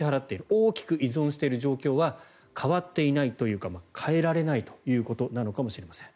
大きく依存している状況は変わっていないというか変えられないということなのかもしれません。